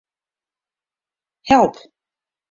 Help.